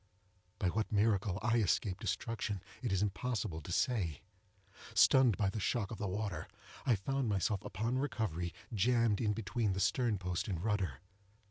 By what miracle I escaped destruction, it is impossible to say. Stunned by the shock of the water, I found myself, upon recovery, jammed in between the stern post and rudder.